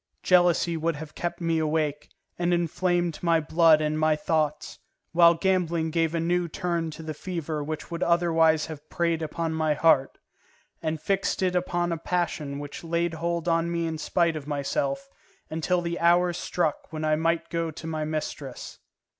Jealousy would have kept me awake, and inflamed my blood and my thoughts; while gambling gave a new turn to the fever which would otherwise have preyed upon my heart, and fixed it upon a passion which laid hold on me in spite of myself, until the hour struck when I might go to my mistress.